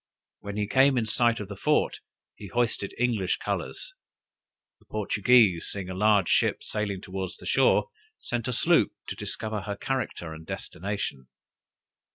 When he came in sight of the fort he hoisted English colors. The Portuguese, seeing a large ship sailing towards the shore, sent a sloop to discover her character and destination.